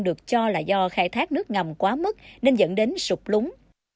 được cho là do khai thác nước ngầm quá mức nên dẫn đến sụp lúng